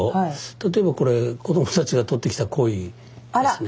例えばこれ子どもたちが取ってきたコイですね。